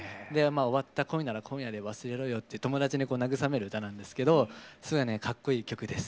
終わった恋なら今夜で忘れろよっていう友達に慰める歌なんですけどすごいかっこいい曲です。